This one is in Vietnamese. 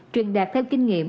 truyền đạt theo kinh nghiệm